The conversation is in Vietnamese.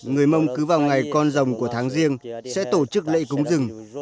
người mông cứ vào ngày con rồng của tháng riêng sẽ tổ chức lễ cúng rừng